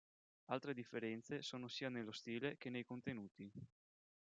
Altre differenze sono sia nello stile che nei contenuti.